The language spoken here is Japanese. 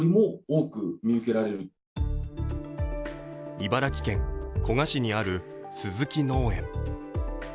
茨城県古河市にある鈴木農園。